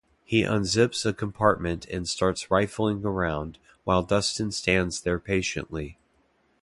He unzips a compartment and starts rifling around while Dustin stands there patiently.